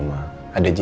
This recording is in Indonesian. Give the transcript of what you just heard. di rumah juga ada andien